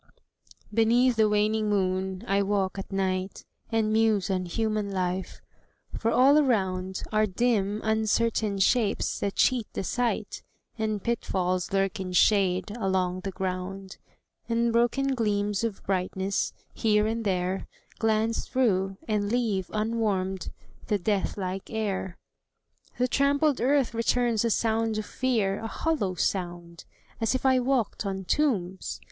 Beneath the waning moon I walk at night, And muse on human life for all around Are dim uncertain shapes that cheat the sight, And pitfalls lurk in shade along the ground, And broken gleams of brightness, here and there, Glance through, and leave unwarmed the death like air. The trampled earth returns a sound of fear A hollow sound, as if I walked on tombs!